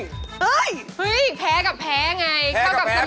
เห้ยแพ้กับแพ้ไงเข้ากับเสมอ